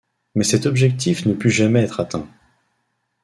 Mais cet objectif ne put jamais être atteint.